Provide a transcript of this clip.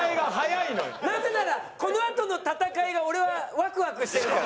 なぜならこのあとの戦いが俺はワクワクしてるから。